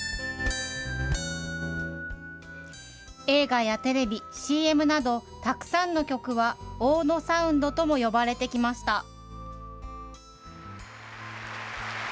映画やテレビ、ＣＭなど、たくさんの曲は大野サウンドとも呼ばれてきました。